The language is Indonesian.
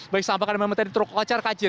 baik sampaikan memang tadi terkocar kacir